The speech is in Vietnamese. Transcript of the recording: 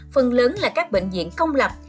phần lớn là các bệnh viện công lập